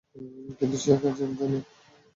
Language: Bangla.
কিন্তু সে একা ঝাঁপ দেয়নি।